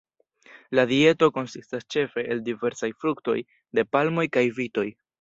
La dieto konsistas ĉefe el diversaj fruktoj, de palmoj kaj vitoj.